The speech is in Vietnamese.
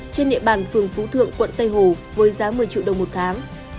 trên địa bàn phường phú thượng quận tây hồ với giá một mươi triệu đồng một tháng